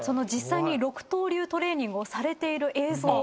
実際に６刀流トレーニングをされている映像